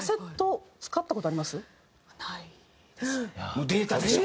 もうデータでしょ。